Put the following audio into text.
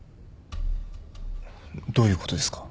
どういうことですか？